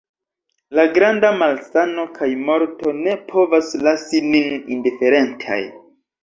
La granda malsano kaj morto ne povas lasi nin indiferentaj.